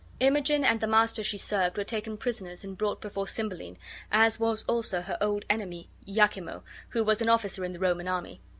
Imogen and the master she served were taken prisoners and brought before Cymbeline, as was also her old enemy, Iachimo, who was an officer in the Roman army.